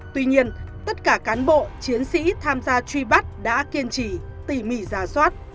tuy nhiên tất cả cán bộ chiến sĩ tham gia truy bắt đã kiên trì tỉ mỉ giả soát